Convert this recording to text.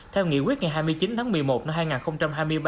theo nghị quyết ngày hai mươi chín tháng một mươi một năm hai nghìn hai mươi ba